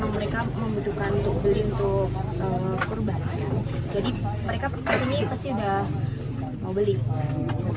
jadi mereka kesini pasti udah mau beli